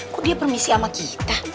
kok dia permisi sama kita